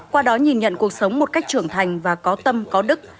qua đó nhìn nhận cuộc sống một cách trưởng thành và có tâm có đức